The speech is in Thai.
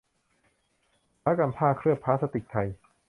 อุตสาหกรรมผ้าเคลือบพลาสติกไทย